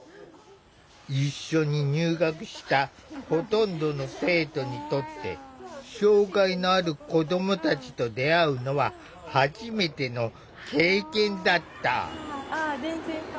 一緒に入学したほとんどの生徒にとって障害のある子どもたちと出会うのは初めての経験だった。